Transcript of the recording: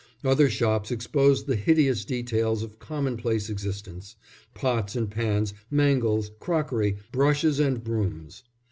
Other shops exposed the hideous details of commonplace existence, pots and pans, mangles, crockery, brushes and brooms.